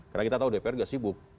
karena kita tahu dpr tidak sibuk